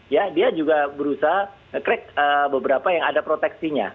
ya dia juga berusaha nge crack beberapa yang ada proteksinya